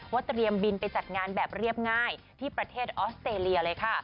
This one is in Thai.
เตรียมบินไปจัดงานแบบเรียบง่ายที่ประเทศออสเตรเลียเลยค่ะ